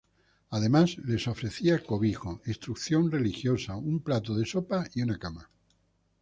Además, les ofrecía cobijo, instrucción religiosa, un plato de sopa y una cama.